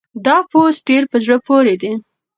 دا پوسټ ډېر په زړه پورې دی.